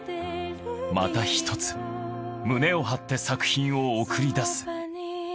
またひとつ胸を張って作品を送り出す。